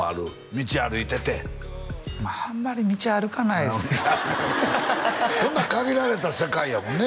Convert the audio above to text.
道歩いててまああんまり道歩かない限られた世界やもんね